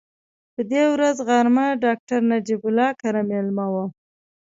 په دې ورځ غرمه ډاکټر نجیب الله کره مېلمه وم.